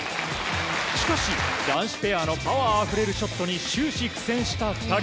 しかし、男子ペアのパワーあふれるショットに終始苦戦した２人。